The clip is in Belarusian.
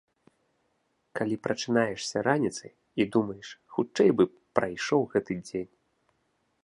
Калі прачынаешся раніцай і думаеш, хутчэй бы прайшоў гэты дзень.